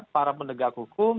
para pendegak kumpulan